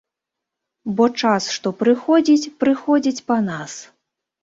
Бо час, што прыходзіць, прыходзіць па нас.